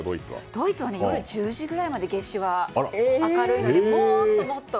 ドイツは夜１０時ぐらいまで夏至は明るいのでもっともっと。